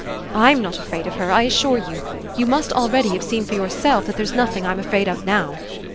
I'M not afraid of her, I assure you; you must already have seen for yourself that there's nothing I'm afraid of now.